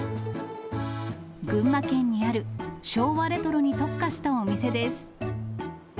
群馬県にある昭和レトロに特化したお店です。